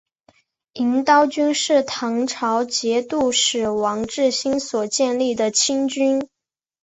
银刀军是唐朝节度使王智兴所建立的亲军。